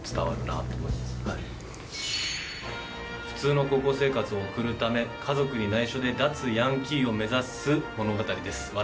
普通の高校生活を送るため家族に内緒で脱ヤンキーを目指す物語です。